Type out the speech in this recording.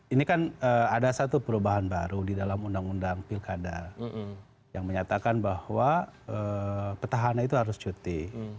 ini kan ada satu perubahan baru di dalam undang undang pilkada yang menyatakan bahwa petahana itu harus cuti